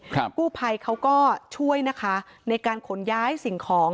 กู้ภัยเขาก็ช่วยนะคะในการขนย้ายสิ่งของ